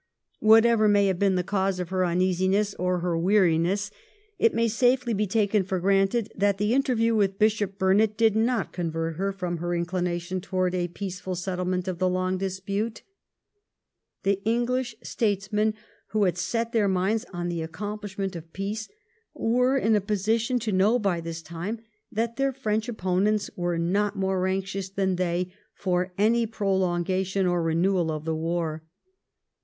Whatever may have been the cause of her uneasiness or her weari ness, it may safely be taken for granted that the interview with Bishop Burnet did not convert her from her inclination towards a peaceful settlement ot the long dispute. The English statesmen who had set their minds on the accomplishment of peace were in a position to know by this time that their French opponents were not more anxious than they for any prolongation or renewal of the war.